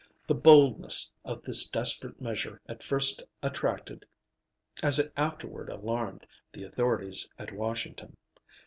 The boldness of this desperate measure at first attracted, as it afterward alarmed, the authorities at Washington.